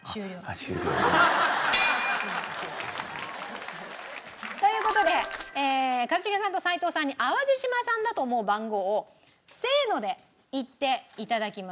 あっ終了ね。という事で一茂さんと齋藤さんに淡路島産だと思う番号をせーので言って頂きます。